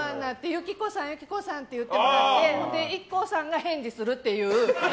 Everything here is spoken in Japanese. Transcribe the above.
友紀子さん友紀子さんって言ってくれてＩＫＫＯさんが返事するっていう。